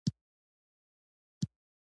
د پیرودونکي خوښي د بازار حرکت دی.